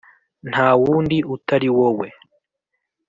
nta wundi utari wowe.